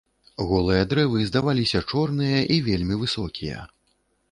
Голыя дрэвы здаваліся чорныя і вельмі высокія.